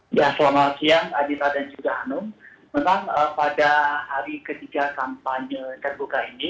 hai ya selamat siang adita dan juga anung menang pada hari ketiga kampanye terbuka ini